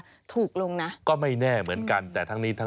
พี่ทศพรบอกว่าเดือนนึงนี้นะ